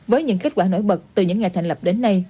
với những kết quả nổi bật từ những ngày thành lập đến nay